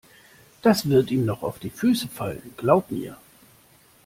Das wird ihm noch auf die Füße fallen, glaub mir!